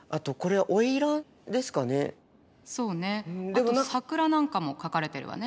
あと桜なんかも描かれてるわね。